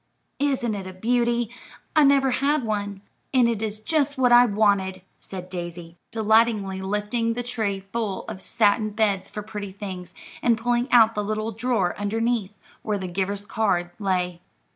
"Isn't it a beauty? I never had one, and it is just what I wanted," said Daisy, delightedly lifting the tray full of satin beds for pretty things, and pulling out the little drawer underneath, where the giver's card lay.